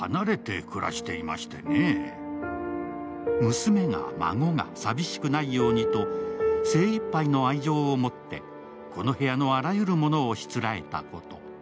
娘が、孫が寂しくないようにと精いっぱいの愛情をもってこの部屋のあらゆるものをしつらえたこと。